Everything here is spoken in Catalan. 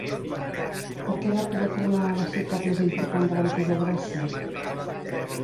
Per què va poder tornar a la ciutat més important de l'antiga Grècia?